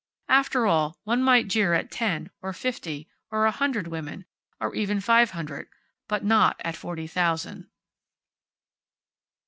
After all, one might jeer at ten, or fifty, or a hundred women, or even five hundred. But not at forty thousand.